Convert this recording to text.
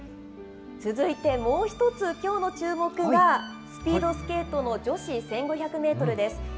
続いてもう一つ、きょうの注目がスピードスケートの女子１５００メートルです。